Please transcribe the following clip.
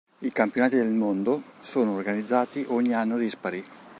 I Campionati del Mondo sono organizzati ogni anno dispari.